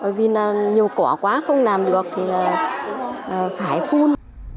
vì là nhiều cỏ quá không làm được thì là phải phun